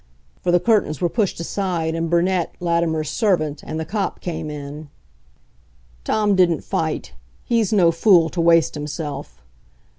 For the curtains were pushed aside, and Burnett, Latimer's servant, and the cop came in. Tom didn't fight; he's no fool to waste himself.